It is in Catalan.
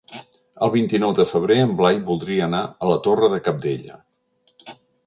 El vint-i-nou de febrer en Blai voldria anar a la Torre de Cabdella.